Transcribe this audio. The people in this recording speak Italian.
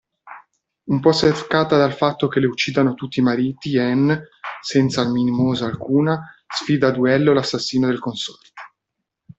Un po' seccata dal fatto che le uccidano tutti i mariti Anne, senza mimosa alcuna, sfida a duello l'assassino del consorte.